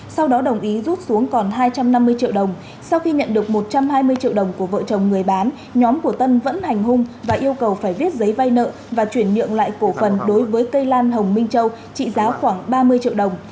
sau đó đồng ý rút xuống còn hai trăm năm mươi triệu đồng sau khi nhận được một trăm hai mươi triệu đồng của vợ chồng người bán nhóm của tân vẫn hành hung và yêu cầu phải viết giấy vay nợ và chuyển nhượng lại cổ phần đối với cây lan hồng minh châu trị giá khoảng ba mươi triệu đồng